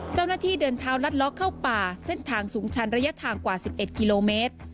เจ้าหน้าที่เดินเท้าลัดล้อเข้าป่าเส้นทางสูงชันระยะทางกว่า๑๑กิโลเมตร